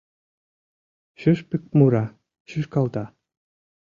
Шӱшпык мура, шӱшкалта.